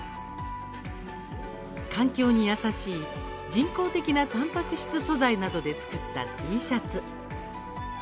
環境に優しい人工的なたんぱく質素材などで作ったＴシャツ。